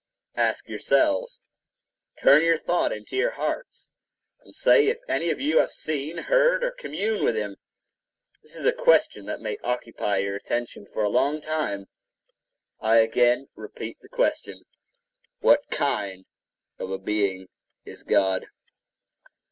Ask yourselves; turn your thought into your hearts, and say if any of you have seen, heard, or communed with him. This is a question that may occupy your attention for a long time. I again repeat the question—What kind of a being is God?